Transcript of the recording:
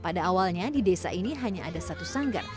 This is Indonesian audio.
pada awalnya di desa ini hanya ada satu sanggar